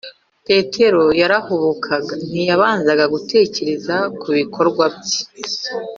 petero yarahubukaga; ntiyabanzaga gutekereza ku bikorwa bye